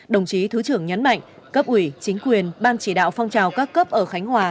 đồng chí thứ trưởng nhấn mạnh cấp ủy chính quyền ban chỉ đạo phong trào các cấp ở khánh hòa